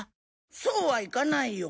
そうはいかないよ。